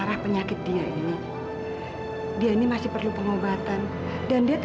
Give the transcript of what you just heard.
apa adanya ini